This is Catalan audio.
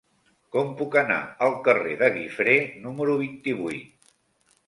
Com puc anar al carrer de Guifré número vint-i-vuit?